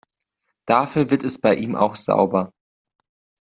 Dafür wird es bei ihm auch sauber.